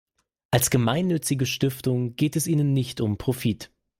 Als gemeinnützige Stiftung geht es ihnen nicht um Profit.